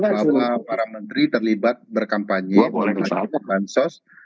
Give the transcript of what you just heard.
bahwa para menteri terlibat berkampanye melaksanakan bansos